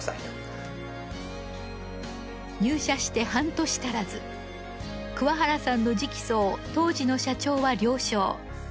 入社して半年足らず桑原さんの直訴を当時の社長は了承。